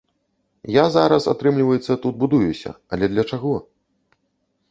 Я зараз, атрымліваецца, тут будуюся, але для чаго?